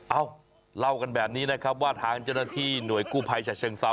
เอ้าเล่ากันแบบนี้นะครับว่าทางเจ้าหน้าที่หน่วยกู้ภัยฉะเชิงเซา